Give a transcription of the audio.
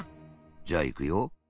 じゃあいくよ。